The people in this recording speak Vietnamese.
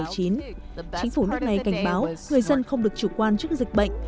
chính phủ nước này cảnh báo người dân không được chủ quan trước dịch bệnh